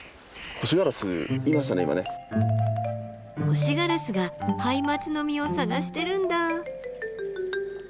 ホシガラスがハイマツの実を探してるんだあ。